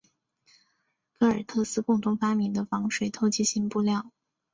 戈尔特斯共同发明的防水透气性布料。